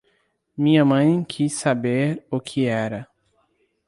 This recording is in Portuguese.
Minha mãe quis saber o que era.